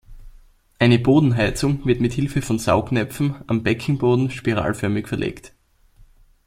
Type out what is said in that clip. Eine Bodenheizung wird mit Hilfe von Saugnäpfen am Beckenboden spiralförmig verlegt.